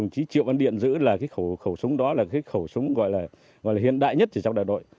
chỉ triệu văn điện giữ là cái khẩu súng đó là cái khẩu súng gọi là hiện đại nhất ở trong đại đội